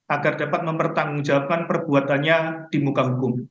agar dapat mempertanggungjawabkan perbuatannya di muka hukum